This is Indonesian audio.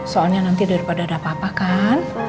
soalnya nanti daripada ada papa kan